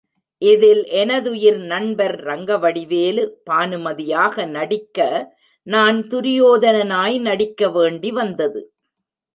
இதில் எனதுயிர் நண்பர் ரங்கவடிவேலு பானுமதியாக நடிக்க, நான் துரியோதனனாய் நடிக்க வேண்டி வந்தது.